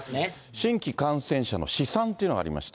新規感染者の試算というのがありまして。